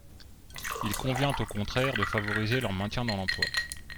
Il convient au contraire de favoriser leur maintien dans l’emploi.